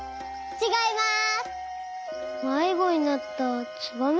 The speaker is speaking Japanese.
ちがいます。